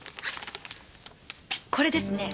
これですね？